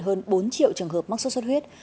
hơn bốn triệu trường hợp mắc sốt xuất huyết